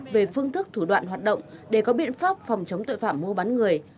về phương thức thủ đoạn hoạt động để có biện pháp phòng chống tội phạm mua bán người